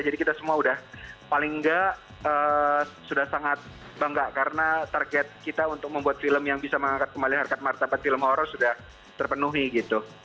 jadi kita semua udah paling enggak sudah sangat bangga karena target kita untuk membuat film yang bisa mengangkat kembali harkat markah film horror sudah terpenuhi gitu